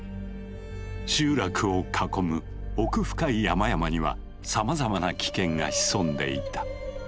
集落を囲む奥深い山々にはさまざまな危険が潜んでいた。